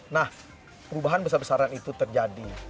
nah perubahan besar besaran itu terjadi